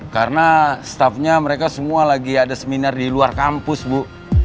karena staffnya mereka semua lagi ada seminar di luar kampus bu